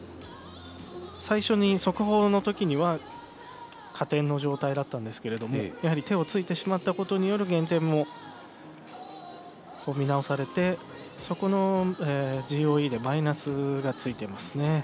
最初に速報の時には加点の状態だったんですけれどもやはり手をついてしまったことによる減点も見直されてそこのＧＯＥでマイナスがついていますね。